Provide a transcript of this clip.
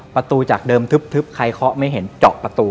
ประตูจากเดิมทึบใครเคาะไม่เห็นเจาะประตู